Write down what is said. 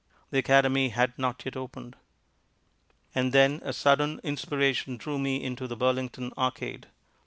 The Academy had not yet opened. And then a sudden inspiration drew me into the Burlington Arcade.